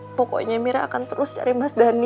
gak jess pokoknya mirah akan terus cari mas dhani